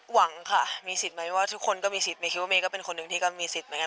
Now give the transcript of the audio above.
หวังค่ะมีสิทธิ์ไหมว่าทุกคนก็มีสิทธิเมยคิดว่าเมย์ก็เป็นคนหนึ่งที่ก็มีสิทธิ์เหมือนกัน